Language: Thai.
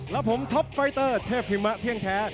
และผมท็อปไฟเตอร์เทพพิมะเที่ยงแท้